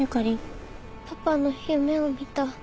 パパの夢を見た。